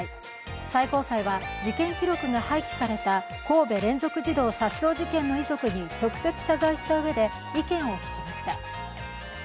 最高裁は事件記録が廃棄された神戸連続児童殺傷事件の遺族に直接謝罪したうえで意見を聞きました。